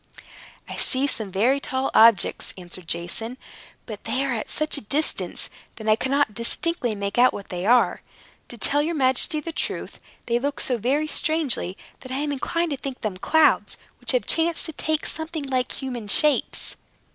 "I see some very tall objects," answered Jason; "but they are at such a distance that I cannot distinctly make out what they are. To tell your majesty the truth, they look so very strangely that I am inclined to think them clouds, which have chanced to take something like human shapes."